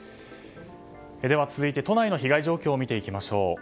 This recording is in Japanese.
では、続いて都内の被害状況を見ていきましょう。